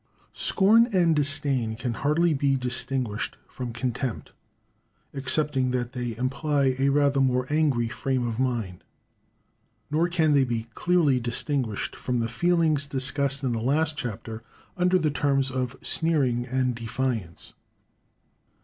Scorn and disdain can hardly be distinguished from contempt, excepting that they imply a rather more angry frame of mind. Nor can they be clearly distinguished from the feelings discussed in the last chapter under the terms of sneering and defiance.